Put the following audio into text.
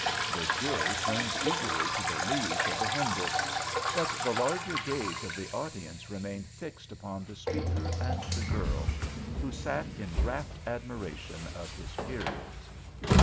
The jury turned eagerly to the leaves of the hymn books, but the larger gaze of the audience remained fixed upon the speaker and the girl, who sat in rapt admiration of his periods.